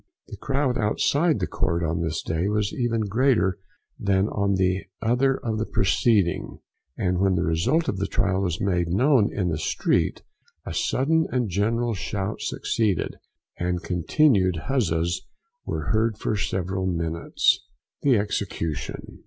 The crowd outside the court on this day was even greater than on either of the preceding; and when the result of the trial was made known in the street, a sudden and general shout succeeded, and continued huzzas were heard for several minutes. THE EXECUTION.